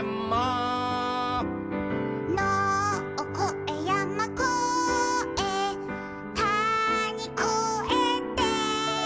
「のをこえやまこえたにこえて」